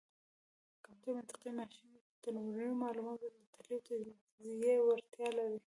کمپيوټر منطقي ماشين دی، چې د لومړنيو معلوماتو دتحليل او تجزيې وړتيا لري.